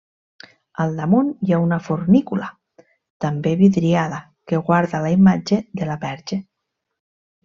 Al damunt hi ha una fornícula, també vidriada, que guarda la imatge de la Verge.